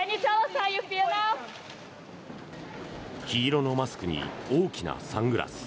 黄色のマスクに大きなサングラス。